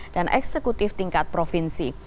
dan eksekutif tingkat provinsi